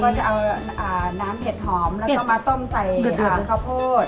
จะเอาน้ำเห็ดหอมแล้วก็มาต้มใส่ข้าวโพด